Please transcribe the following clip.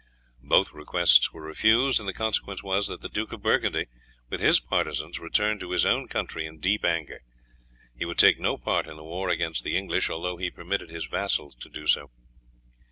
Both requests were refused, and the consequence was that the Duke of Burgundy, with his partisans, returned to his own country in deep anger; he would take no part in the war against the English, although he permitted his vassals to do so.